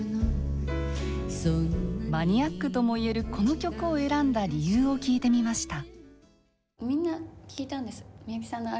マニアックとも言えるこの曲を選んだ理由を聞いてみました。